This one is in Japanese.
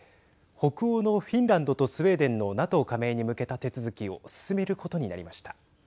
北欧のフィンランドとスウェーデンのＮＡＴＯ加盟に向けた手続きを進めることになりました。